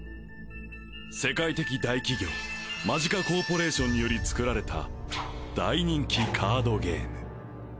世界的大企業マジカコーポレーションにより作られた大人気カードゲーム